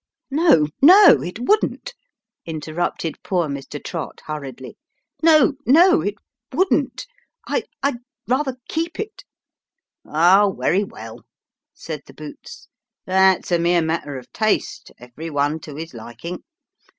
" No, no, it wouldn't," interrupted poor Mr. Trott, hurriedly ;" no, no, it wouldn't ! I I 'd rather keep it !"" werry well," said the boots :" that's a mere matter of taste ev'ry one to his liking.